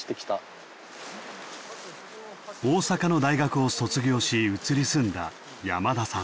大阪の大学を卒業し移り住んだ山田さん。